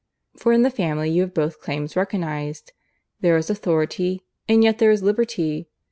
For in the Family you have both claims recognized: there is authority and yet there is liberty.